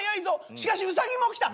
しかしウサギも来た！